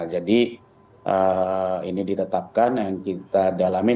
jadi ini ditetapkan yang kita dalamin